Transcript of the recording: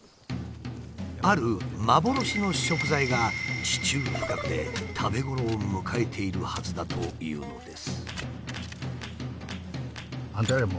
ある幻の食材が地中深くで食べ頃を迎えているはずだというのです。